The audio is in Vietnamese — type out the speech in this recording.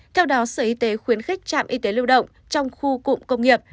theo đó sở y tế khuyến khích trạm y tế lưu động trong khu cụm công nghiệp